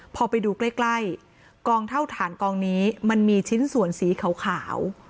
พอไปดูใกล้กองเท่าฐานกองนี้มันมีชิ้นส่วนสีขาว